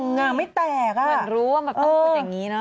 ต่างไม่แตกอย่างดูอย่างนี้น่ะ